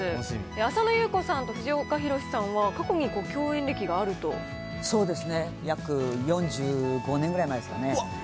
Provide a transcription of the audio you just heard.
浅野ゆう子さんと藤岡弘、そうですね、約４５年ぐらい前ですかね。